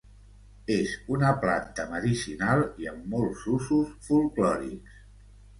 És una planta medicinal i amb molts usos folklòrics.